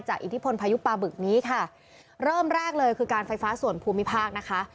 อิทธิพลพายุปลาบึกนี้ค่ะเริ่มแรกเลยคือการไฟฟ้าส่วนภูมิภาคนะคะ